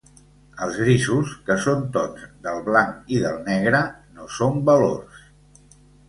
Els grisos, que són tons del blanc i del negre, no són valors.